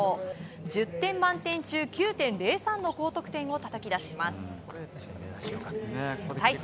１０点満点中９．０３の高得点をたたき出します。